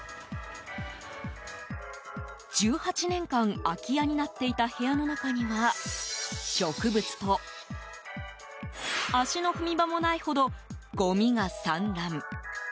１８年間空き家になっていた部屋の中には植物と足の踏み場もないほどごみが散乱。